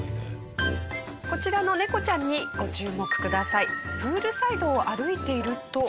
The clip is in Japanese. こちらのネコちゃんにご注目ください。